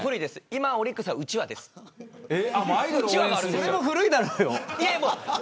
それも古いだろうよ。